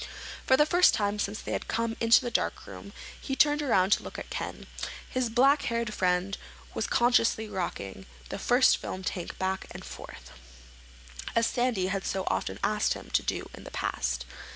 '" For the first time since they had come into the darkroom he turned around to look at Ken. His black haired friend was conscientiously rocking the first film tank back and forth, as Sandy had so often asked him to do in the past.